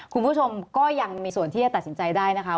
คุณผู้ชมก็ยังมีส่วนที่จะตัดสินใจได้นะคะ